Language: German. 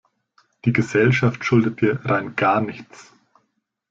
Die Gesellschaft schuldet dir rein gar nichts!